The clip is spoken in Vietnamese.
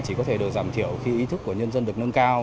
chỉ có thể được giảm thiểu khi ý thức của nhân dân được nâng cao